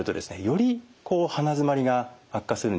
より鼻づまりが悪化するんですね。